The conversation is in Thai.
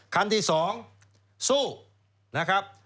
คันที่๒สู้นะครับ